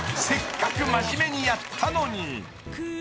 ［せっかく真面目にやったのに］